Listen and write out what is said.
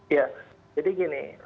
ya jadi gini